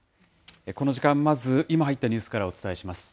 この時間、まず、今入ったニュースからお伝えします。